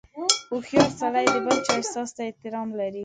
• هوښیار سړی د بل چا احساس ته احترام لري.